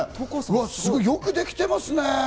よくできてますね。